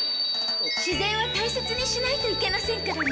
自然は大切にしないといけませんからね。